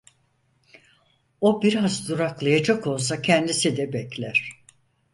O biraz duraklayacak olsa kendisi de bekler.